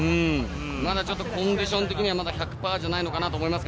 まだちょっとコンディション的には１００パーじゃないのかなと思います。